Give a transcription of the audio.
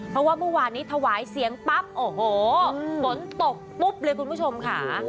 เพราะว่าเมื่อวานนี้ถวายเสียงปั๊บโอ้โหฝนตกปุ๊บเลยคุณผู้ชมค่ะ